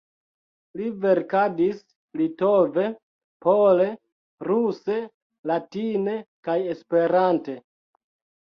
Li verkadis litove, pole, ruse, latine kaj Esperante.